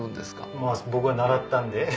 まぁ僕が習ったんで。